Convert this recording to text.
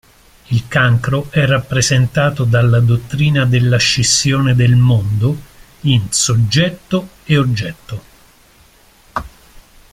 Il cancro è rappresentato dalla dottrina della scissione del “mondo” in soggetto e oggetto”.